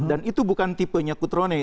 dan itu bukan tipenya kutroni